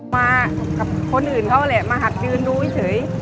มากับคนอื่นเขาแหละมาหักยืนดูเฉย